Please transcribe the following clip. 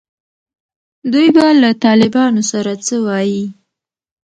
دوی به له طالبانو سره څه وایي.